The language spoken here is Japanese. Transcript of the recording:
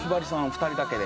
２人だけで。